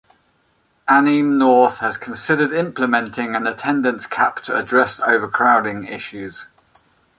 Anime North has considered implementing an attendance cap to address overcrowding issues.